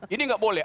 ini nggak boleh